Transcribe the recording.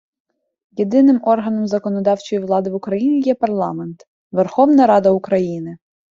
Єдиним органом законодавчої влади в Україні є парламент - Верховна Рада України.